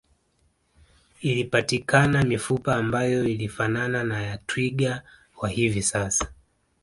Ilipatikana mifupa ambayo ilifanana na ya twiga wa hivi sasa